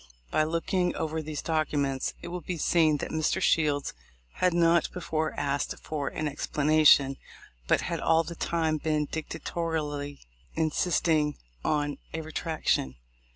By looking over these documents, it will be seen that Mr. Shields had not before asked for an expla nation, but had all the time been dictatorially insist ing on a retraction.